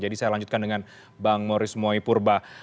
jadi saya lanjutkan dengan bang maurice mwoypurba